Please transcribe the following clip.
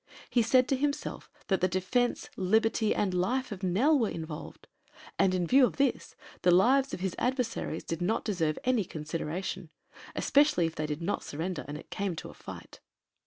He said to himself that the defense, liberty, and life of Nell were involved, and in view of this the lives of his adversaries did not deserve any consideration, especially if they did not surrender and it came to a fight.